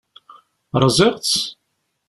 Rẓiɣ-tt?